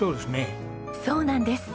そうなんです。